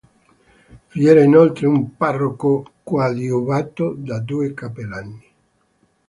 Vi era inoltre un parroco coadiuvato da due cappellani.